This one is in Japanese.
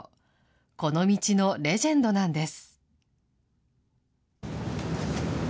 この道のレジェンドなんです。